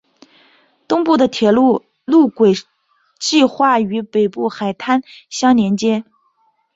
东部的铁路路轨计画与北部海滩相联接。